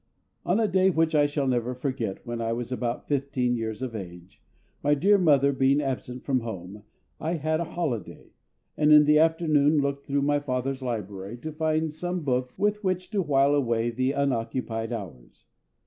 On a day which I shall never forget, when I was about fifteen years of age, my dear mother being absent from home, I had a holiday, and in the afternoon looked through my father's library to find some book with which to while away the unoccupied hours.